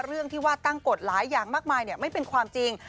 เรื่องที่ว่าตั้งกฎหลายอย่างมากมายไม่เป็นความจริง